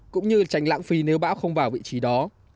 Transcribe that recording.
cũng như tránh lãng phí nếu bão không vào vị trí đó